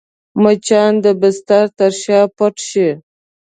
مچان د بستر تر شا پټ شي